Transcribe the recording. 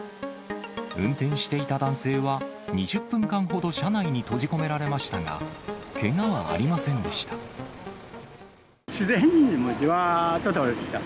運転していた男性は、２０分間ほど車内に閉じ込められましたが、自然に、もうじわーっと倒れてきた。